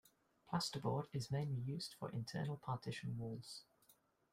Plasterboard is mainly used for internal partition walls.